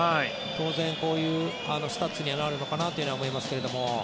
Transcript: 当然、こういうスタッツにはなるのかなと思いますが。